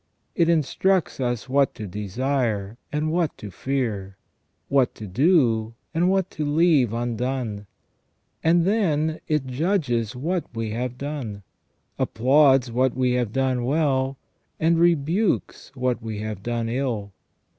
It instructs us what to desire and what to fear, what to do and what to leave undone ; and then it judges what we have done ; applauds what we have done well, and rebukes what we have done ill.